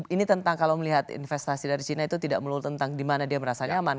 ini tentang kalau melihat investasi dari china itu tidak melulu tentang di mana dia merasa nyaman